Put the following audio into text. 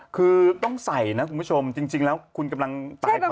คือต้องใส่นะคุณผู้ชมจริงแล้วคุณกำลังตายก่อน